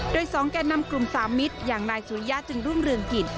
โดย๒แก่นำกลุ่มสามมิตรอย่างนายสุริยะจึงรุ่งเรืองกิจ